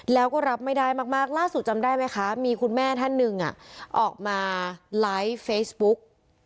แล้วก็รับไม่ได้มากล่าสุดจำได้ไหมคะมีคุณแม่ท่านหนึ่งออกมาไลฟ์เฟซบุ๊ก